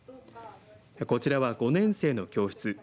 こちらは５年生の教室。